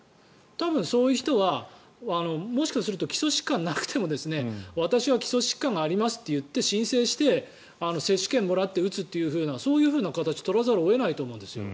多分そういう人はもしかすると基礎疾患がなくても私は基礎疾患がありますと言って申請して接種券をもらって打つというそういう形を取らざるを得ないと思うんですよ。